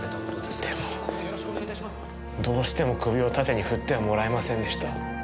でもどうしても首を縦に振ってはもらえませんでした。